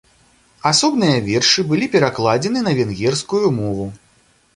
Асобныя вершы былі перакладзены на венгерскую мову.